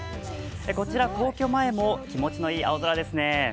こちら皇居前も気持ちのいい青空ですね。